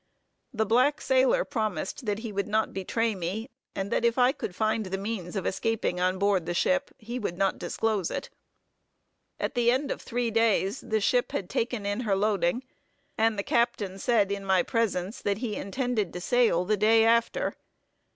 The black sailor promised that he would not betray me, and that if I could find the means of escaping on board the ship he would not disclose it. At the end of three days, the ship had taken in her loading, and the captain said in my presence that he intended to sail the day after.